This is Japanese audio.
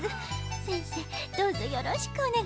せんせいどうぞよろしくおねがいいたします。